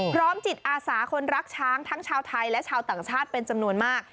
พร้อมจิตอาสาคนรักช้างทั้งชาวไทยและชาวต่างชาติเป็นจำนวนมาก